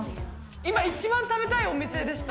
今、一番食べたいお店でした。